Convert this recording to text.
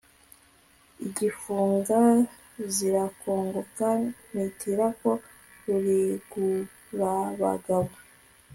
igifunga zirakongoka nywitira ko Rurigurabagabo